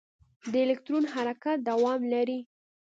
د الکترون حرکت دوام لري.